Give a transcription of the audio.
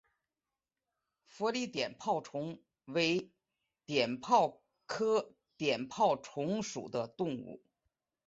佛理碘泡虫为碘泡科碘泡虫属的动物。